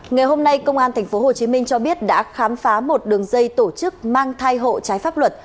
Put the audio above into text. ngày hôm nay công an tp hcm cho biết đã khám phá một đường dây tổ chức mang thai hộ trái pháp luật